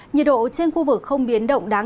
nhiệt độ trên khu vực không biến động đáng